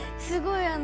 すごい。